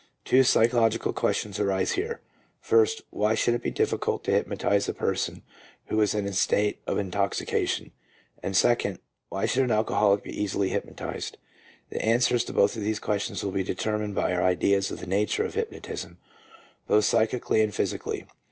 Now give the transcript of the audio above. Two psychological questions arise here: first, why should it be difficult to hypnotize a person who is in a state of intoxication? and second, why should an alcoholic be easily hypnotized? The answers to both of these questions will be determined by our ideas of the nature of hypnotism, both psychically and physically.